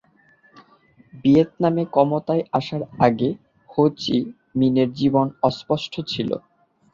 ভিয়েতনামে ক্ষমতায় আসার আগে হো চি মিনের জীবন অস্পষ্ট ছিল।